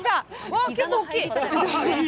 おっ結構大きい！